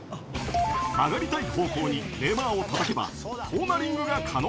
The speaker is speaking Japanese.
曲がりたい方向にレバーをたたけば、コーナリングが可能。